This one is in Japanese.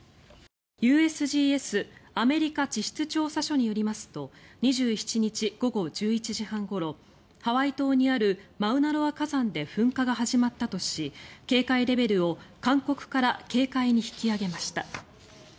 ＵＳＧＳ・アメリカ地質調査所によりますと２７日午後１１時半ごろハワイ島にあるマウナロア火山で噴火が始まったとし警戒レベルを勧告から警戒に引き上げました。